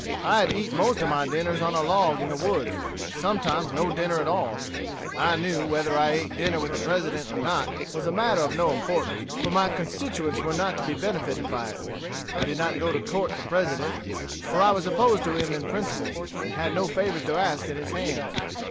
I had eat most of my dinners on a log in the woods, and sometimes no dinner at all. I knew, whether I ate dinner with the President or not was a matter of no importance, for my constituents were not to be benefited by it. I did not go to court the President, for I was opposed to him in principle, and had no favors to ask at his hands.